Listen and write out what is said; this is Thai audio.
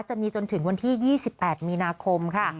จะมีจนถึงวันที่๒๘มีนาคมค่ะ